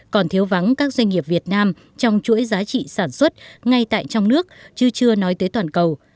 còn thiếu vắng các doanh nghiệp việt nam trong chuỗi giá trị sản xuất ngay tại trong nước chứ chưa nói tới toàn cầu